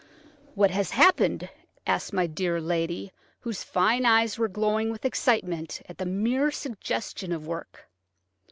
"What has happened?" asked my dear lady, whose fine eyes were glowing with excitement at the mere suggestion of work.